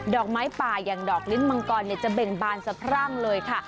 อกไม้ป่าอย่างดอกลิ้นมังกรจะเบ่งบานสะพรั่งเลยค่ะ